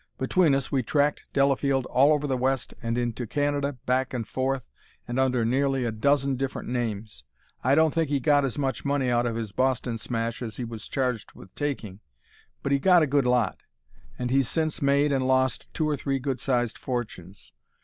Between us we tracked Delafield all over the West and into Canada, back and forth, and under nearly a dozen different names. I don't think he got as much money out of his Boston smash as he was charged with taking, but he got a good lot; and he's since made and lost two or three good sized fortunes.